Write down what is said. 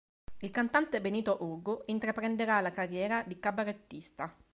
Il cantante Benito Urgu intraprenderà la carriera di cabarettista.